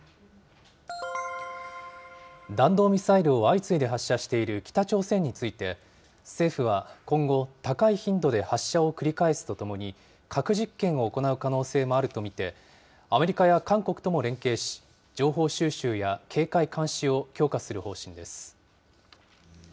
弾道ミサイルを相次いで発射している北朝鮮について、政府は今後、高い頻度で発射を繰り返すとともに、核実験を行う可能性もあると見て、アメリカや韓国とも連携し、情報収集や警戒監視を強化する方針です。